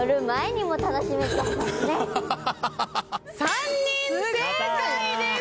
３人正解です！